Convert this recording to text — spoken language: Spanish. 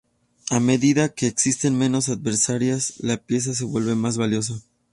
A medida que existen menos adversarias, la pieza se vuelve más valiosa.